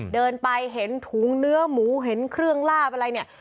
เดินไปเห็นถุงเนื้อหมูเห็นเครื่องลาบอะไรเนี่ย